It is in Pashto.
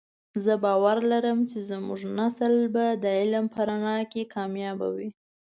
زه باور لرم چې زمونږ نسل به د علم په رڼا کې کامیابه وی